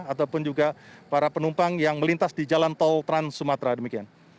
ataupun juga para penumpang yang melintas di jalan tol trans sumatera demikian